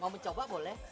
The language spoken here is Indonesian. mau mencoba boleh